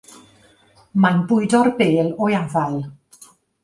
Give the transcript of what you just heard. Mae'n bwydo'r bêl o'i afael.